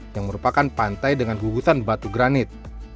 yang merupakan pantai dengan gugusan batu granit